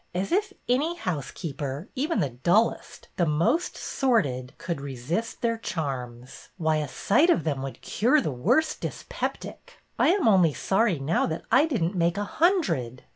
As if any housekeeper, even the dullest, the most sordid, could resist their charms! Why, a sight of them would cure the worst dyspeptic. I am only sorry now that I did n't make a hundred."